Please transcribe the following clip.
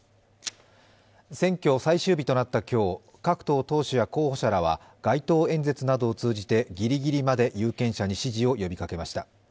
選挙戦最終日となった今日各党党首や候補者らは街頭演説などを通じてぎりぎりまで有権者に支持を呼びかけました。